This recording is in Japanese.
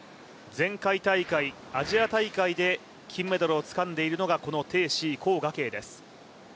前回大会、アジア大会で金メダルをつかんでいるのがこの鄭思緯・黄雅瓊です。